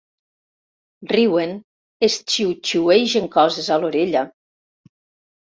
Riuen, es xiuxiuegen coses a l'orella.